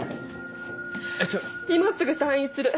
今すぐ退院する。